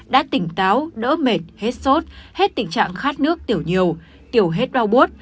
đã tỉnh táo đỡ mệt hết sốt hết tình trạng khát nước tiểu nhiều tiểu hết bao bốt